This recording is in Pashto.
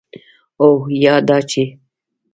او یا دا چې: